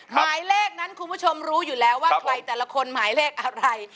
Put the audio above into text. หมายเลขนั้นคุณผู้ชมรู้อยู่แล้วว่าใครแต่ละคนหมายเลขอะไร